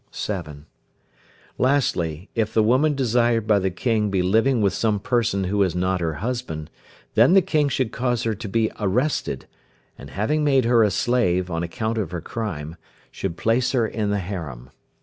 (7). Lastly, if the woman desired by the King be living with some person who is not her husband, then the King should cause her to be arrested, and having made her a slave, on account of her crime, should place her in the harem.